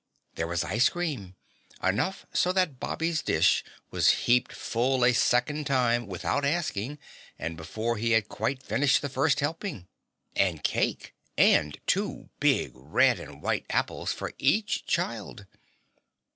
There was ice cream enough so that Bobby's dish was heaped full a second time without asking and before he had quite finished the first helping and cake and two big red and white apples for each child.